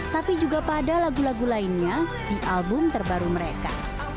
tapi juga pada lagu lagu lainnya di album terbaru mereka